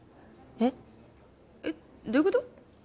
えっどういうこと？